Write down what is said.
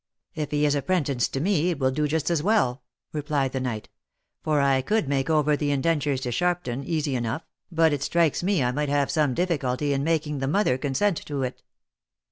" If he is apprenticed to me, it will do just as well," replied the knight, " for I could make over the indentures to Sharpton easy enough, but it strikes me I might have some difficulty in making the mother consent to it."